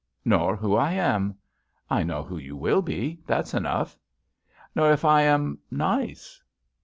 '*Nor who I am." '*I know who you will be. That's enough." '*Nor if I am— nice."